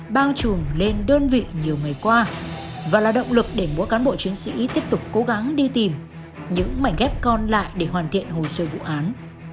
bao trùm lên đơn vị nhiều ngày qua và là động lực để mỗi cán bộ chiến sĩ tiếp tục cố gắng đi tìm những mảnh ghép còn lại để hoàn thiện hồ sơ vụ án